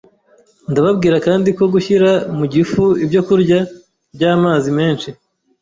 Ndababwira kandi ko gushyira mu gifu ibyokurya by’amazi menshi